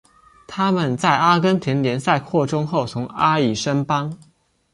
他们在阿根廷联赛扩充后从阿乙升班。